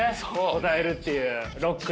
答えるっていうロックな。